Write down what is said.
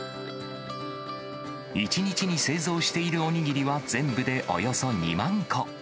１日に製造しているお握りは、全部でおよそ２万個。